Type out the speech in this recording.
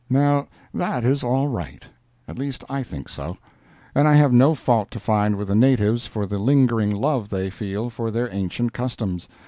Now that is all right. At least I think so. And I have no fault to find with the natives for the lingering love they feel for their ancient customs.